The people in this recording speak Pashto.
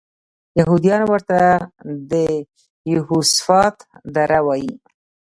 یهودان ورته د یهوسفات دره وایي.